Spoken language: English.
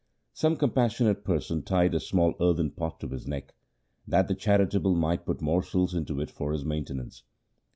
Some compassionate person tied a small earthen pot to his neck, that the charitable might put morsels into it for his maintenance.